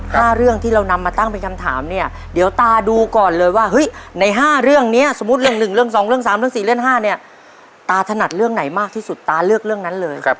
เรื่องที่เรานำมาตั้งเป็นคำถามเนี่ยเดี๋ยวตาดูก่อนเลยว่าเฮ้ยในห้าเรื่องเนี้ยสมมุติเรื่องหนึ่งเรื่องสองเรื่องสามเรื่องสี่เรื่องห้าเนี่ยตาถนัดเรื่องไหนมากที่สุดตาเลือกเรื่องนั้นเลย